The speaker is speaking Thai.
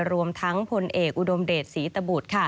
รวมทั้งพลเอกอุดมเดชศรีตบุตร